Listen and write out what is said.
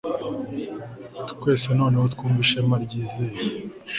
twese noneho twumve ishema ryizeye